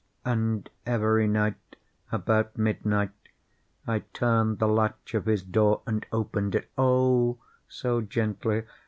And every night, about midnight, I turned the latch of his door and opened it—oh, so gently!